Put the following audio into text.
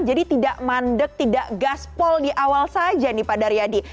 jadi tidak mandek tidak gaspol di awal saja nih pak daryadi